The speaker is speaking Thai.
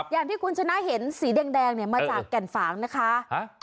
อย่างที่คุณชนะเห็นสีแดงเนี่ยมาจากแก่นฝางนะคะ